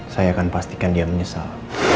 saya akan pastikan dia menyesal